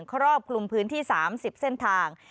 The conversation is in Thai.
ครอบคลุมพื้นที่๓๐เส้นทาง